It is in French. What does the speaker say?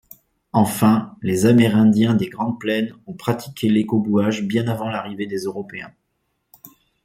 Enfin, les Amérindiens des Grandes Plaines ont pratiqué l'écobuage bien avant l'arrivée des Européens.